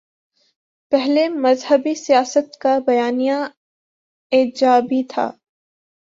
پہلے مذہبی سیاست کا بیانیہ ایجابی تھا۔